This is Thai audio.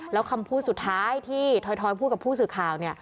แล้วคำพูดสุดท้ายที่ทอยพูดกับผู้สื่อข่าวเนี่ย